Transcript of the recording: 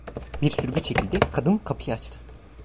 Bir sürgü çekildi, kadın kapıyı açtı.